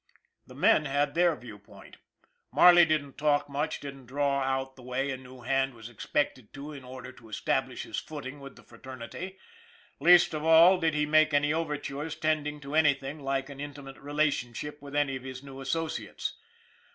The men had their view point. Marley didn't talk much, didn't draw out the way a new hand was ex pected to in order to establish his footing with the fraternity. Least of all did he make any overtures tending to anything like an intimate relationship with any of his new associates.